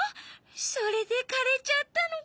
それでかれちゃったのか。